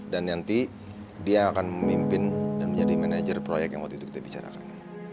dan nanti dia akan memimpin dan menjadi manajer proyek yang waktu itu kita bicarakan